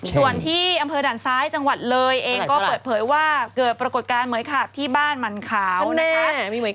ส่วนที่อำเภอด่านซ้ายจังหวัดเลยเองก็เปิดเผยว่าเกิดปรากฏการณ์เหมือยขาบที่บ้านหมั่นขาวนะคะ